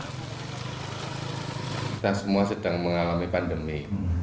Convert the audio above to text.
kita semua sedang mengalami pandemi